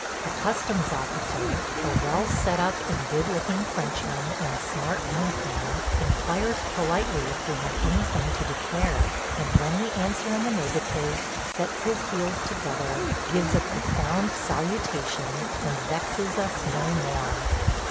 The customs officer, a well set up and good looking Frenchman in a smart uniform, inquires politely if we have anything to declare, and when we answer in the negative sets his heels together, gives a profound salutation, and vexes us no more.